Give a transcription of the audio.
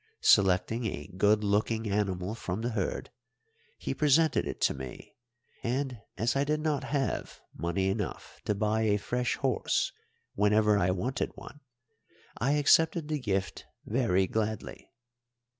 Selecting a good looking animal from the herd, he presented it to me, and as I did not have money enough to buy a fresh horse whenever I wanted one, I accepted the gift very gladly.